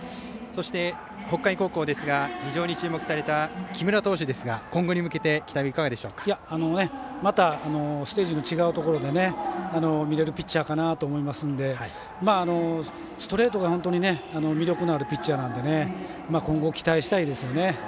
北海高校ですが非常に注目された木村投手またステージの違うところで見られるピッチャーかなと思いますのでストレートが本当に魅力のあるピッチャーなので今後、期待したいですよね。